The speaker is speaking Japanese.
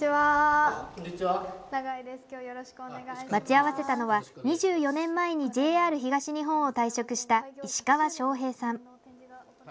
待ち合わせたのは２４年前にＪＲ東日本を退職した石川翔平さん。